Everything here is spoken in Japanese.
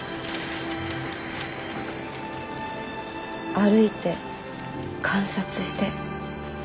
歩いて観察して。